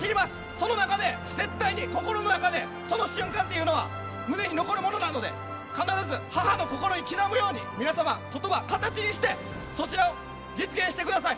その中で絶対に心の中でその瞬間というものは胸に残るものなので必ず母の心に刻むように皆様、言葉を形にしてそちらを実現してください。